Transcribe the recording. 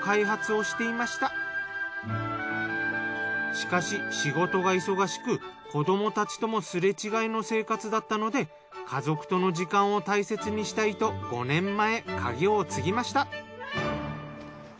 しかし仕事が忙しく子どもたちともすれ違いの生活だったので家族との時間を大切にしたいと５年前家業を継ぎました。